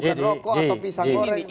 bukan loko atau pisang goreng